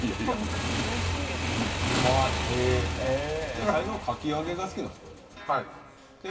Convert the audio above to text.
野菜のかき揚げが好きなんですか？